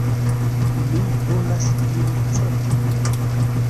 Mi volas diri cent mil.